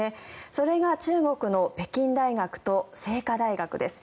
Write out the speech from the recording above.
それが中国の北京大学と清華大学です。